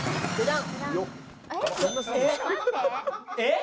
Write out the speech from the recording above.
えっ？